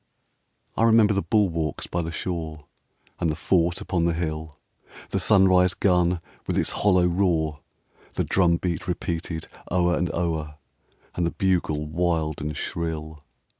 I remember the bulwarks by the shore, And the fort upon the hill ; The sunrise gun, with its hollow roar, The drum beat repeated o'er and o'er, And the bugle wild and shrill.